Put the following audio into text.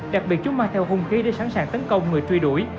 đặc biệt chúng mang theo hung khí để sẵn sàng tấn công người truy đuổi